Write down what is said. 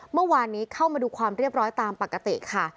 เมื่อวานนี้เข้ามาดูความเรียบร้อยตามปกติค่ะ